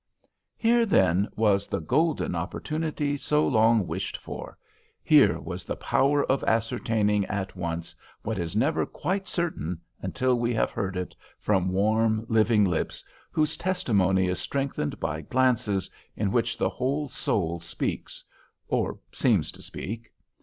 Here, then, was the golden opportunity so long wished for! Here was the power of ascertaining at once what is never quite certain until we have heard it from warm, living lips, whose testimony is strengthened by glances in which the whole soul speaks or—seems to speak.